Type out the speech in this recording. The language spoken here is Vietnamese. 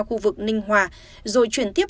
khu vực ninh hòa rồi chuyển tiếp